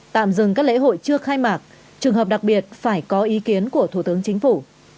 tạm dừng các lễ hội chưa khai mạc trường hợp đặc biệt phải có ý kiến của thủ tướng chính phủ